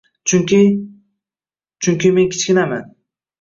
— Chunki… chunki men kichkinaman!